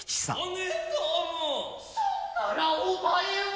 そんならお前は。